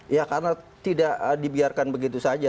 ya karena tidak dibiarkan begitu saja